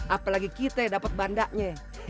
apalagi kita yang dapat bandanya